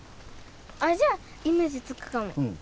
あっじゃあイメージつくかも。